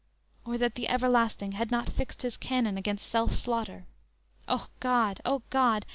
Or that the Everlasting had not fixed His canon against self slaughter! O God! O God!